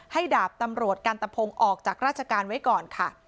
ดาบตำรวจกันตะพงศ์ออกจากราชการไว้ก่อนค่ะ